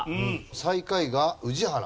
最下位が宇治原。